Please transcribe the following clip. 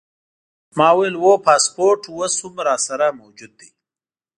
ما وویل: هو، پاسپورټ اوس هم راسره موجود دی.